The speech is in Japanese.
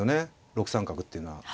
６三角っていうのは。